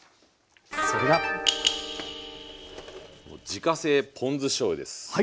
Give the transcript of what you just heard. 自家製ポン酢しょうゆです。